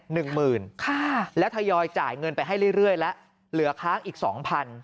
หนึ่งหมื่นค่ะแล้วทยอยจ่ายเงินไปให้เรื่อยเรื่อยแล้วเหลือค้างอีกสองพัน